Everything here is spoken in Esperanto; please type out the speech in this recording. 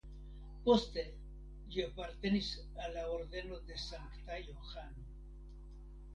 Poste ĝi apartenis al la Ordeno de Sankta Johano.